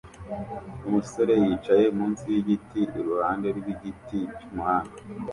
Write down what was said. Umusore yicaye munsi yigiti iruhande rwigiti cyumuhanda